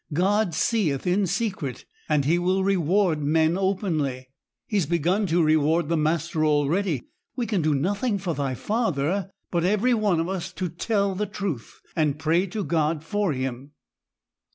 God seeth in secret, and He will reward men openly. He's begun to reward the master already. We can do nothing for thy father, but every one of us tell the truth, and pray to God for him.'